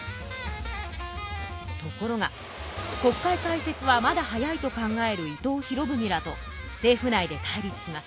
ところが国会開設はまだ早いと考える伊藤博文らと政府内で対立します。